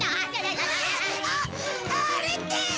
ああれって。